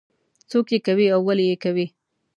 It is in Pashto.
څوک یې کوي او ولې یې کوي.